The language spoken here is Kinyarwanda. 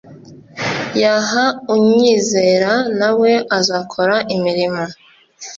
yh unyizera na we azakora imirimo